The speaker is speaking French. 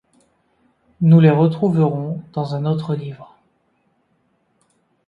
Nous les retrouverons dans un autre livre.